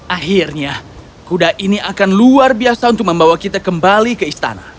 akhirnya kuda ini akan luar biasa untuk membawa kita kembali ke istana